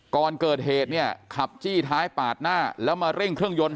ก่อนเกิดเหตุเนี่ยขับจี้ท้ายปาดหน้าแล้วมาเร่งเครื่องยนต